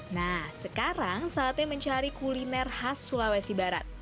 nah sekarang saatnya mencari kuliner khas sulawesi barat